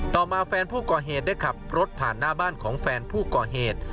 ต่อมาแฟนผู้ก่อเหตุได้ขับรถผ่านหน้าบ้านของแฟนผู้ก่อเหตุ